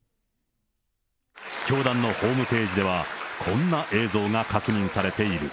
教団のホームページでは、こんな映像が確認されている。